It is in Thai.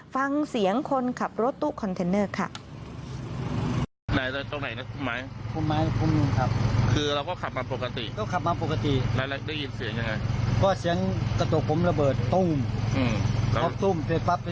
ฟังเสียงคนขับรถตู้คอนเทนเนอร์ค่ะ